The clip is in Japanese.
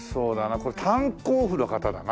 これ炭鉱夫の方だな。